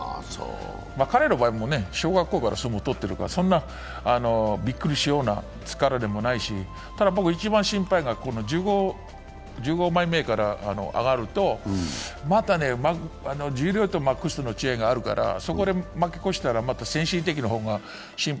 彼の場合、小学校から相撲取ってるから、そんなびっくりするような力でもないしただ一番心配なのは１５枚目から上がると十両と幕下の違いがあるからそこで負け越したらまた精神的の方が心配。